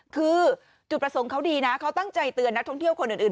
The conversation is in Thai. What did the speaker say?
คือจุดประสงค์เขาดีนะเขาตั้งใจเตือนนักท่องเที่ยวคนอื่น